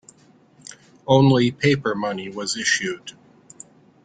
Only paper money was issued.